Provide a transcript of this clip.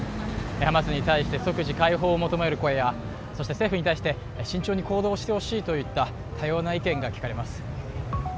ハマスに対して即時解放を求める声やそして政府に対して慎重に行動してほしいといった多様な意見が聞かれます。